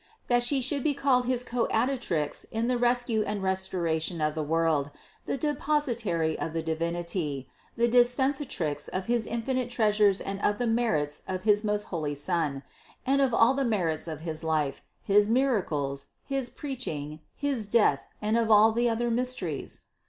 That She should be his Co adjutrix in the rescue and restoration of the world, the Depositary of the Divinity, the Dispensatrix of his infinite treasures and of the merits of his most holy Son, and of all the merits of his life, his miracles, his THE CONCEPTION 591 preaching, his death and of all the other mysteries!